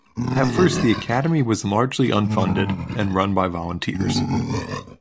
At first the Academy was largely unfunded and run by volunteers.